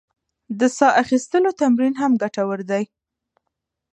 د ساه اخیستلو تمرین هم ګټور دی.